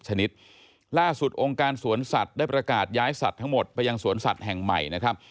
ชนิดล่าสุดองค์การสวนสัตว์ได้ประกาศย้ายสัตว์ทั้งหมดไปยังสวนสัตว์แห่งใหม่นะครับ